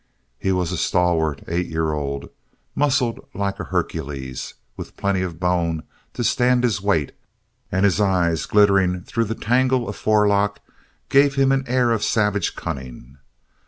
He was a stalwart eight year old, muscled like a Hercules, with plenty of bone to stand his weight; and his eyes, glittering through the tangle of forelock, gave him an air of savage cunning.